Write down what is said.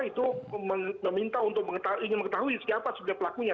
itu meminta untuk ingin mengetahui siapa sebenarnya pelakunya